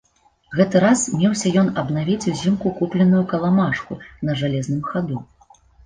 Гэты раз меўся ён абнавіць узімку купленую каламажку на жалезным хаду.